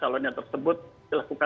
maka calonnya tersebut dilakukan online